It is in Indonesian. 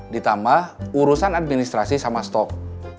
ditambah urusan administrasi sama stok